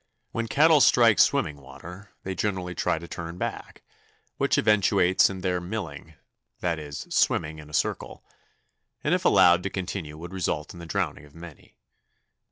When cattle strike swimming water, they generally try to turn back, which eventuates in their "milling" that is, swimming in a circle and if allowed to continue would result in the drowning of many.